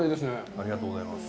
ありがとうございます。